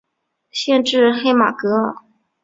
县治黑马戈尔。